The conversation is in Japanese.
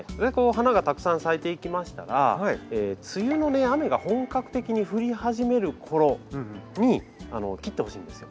花がたくさん咲いていきましたら梅雨の雨が本格的に降り始める頃に切ってほしいんですよ。